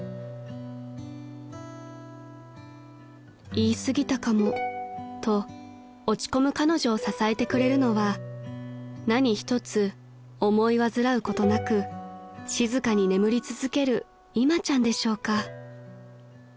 ［言い過ぎたかもと落ち込む彼女を支えてくれるのは何一つ思い煩うことなく静かに眠り続けるいまちゃんでしょうか］